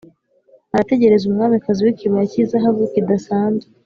arategereza, umwamikazi wikibaya cyizahabu kidasanzwe.